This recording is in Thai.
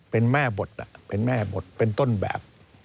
เป็นแม่บทเป็นต้นแบบ